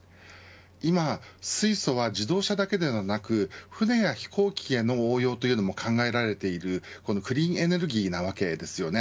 今、水素は自動車だけでなく船や飛行機への応用というのも考えられているクリーンエネルギーなわけですよね。